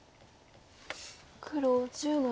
黒１０の四。